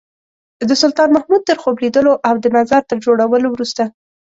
د سلطان محمود تر خوب لیدلو او د مزار تر جوړولو وروسته.